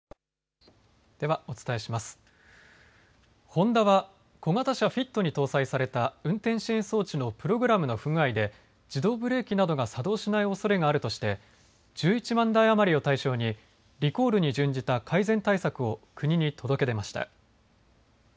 ホンダは小型車フィットに搭載された運転支援装置のプログラムの不具合で、自動ブレーキなどが作動しないおそれがあるとして、１１万台余りを対象にリコールに準じた改善対策を国に届け出ました。